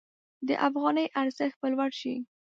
د افغانۍ ارزښت به لوړ شي.